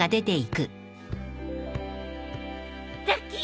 ラッキー！